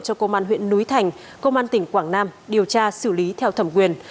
cho công an huyện núi thành công an tỉnh quảng nam điều tra xử lý theo thẩm quyền